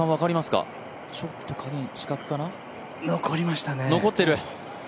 残りましたね。